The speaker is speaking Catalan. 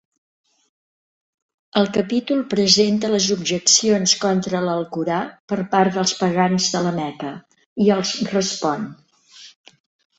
El capítol presenta les objeccions contra l'Alcorà per part dels pagans de la Meca, i els respon.